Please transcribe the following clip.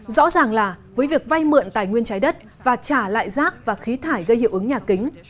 rõ ràng là với việc vay mượn tài nguyên trái đất và trả lại rác và khí thải gây hiệu ứng nhà kính